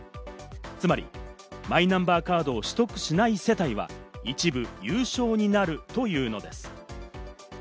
つまり、マイナンバーカードを取得しない世帯は一部有償になるというのです。